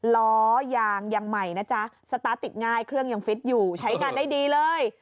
ล้อยางยังใหม่นะจ๊ะสตาร์ทติดง่ายเครื่องยังฟิตอยู่ใช้งานได้ดีเลย